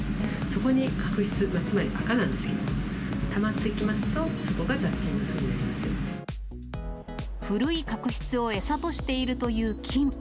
そこに角質、つまりあかなんですけど、たまってきますと、そこが古い角質を餌としているという菌。